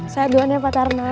saya doanya pak tarno